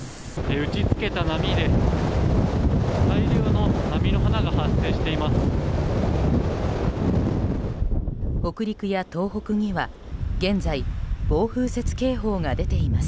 打ち付けた波で大量の波の花が発生しています。